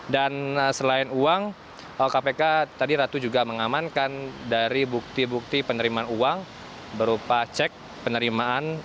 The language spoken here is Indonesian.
dan selain uang kpk tadi ratu juga mengamankan dari bukti bukti penerimaan uang berupa cek penerimaan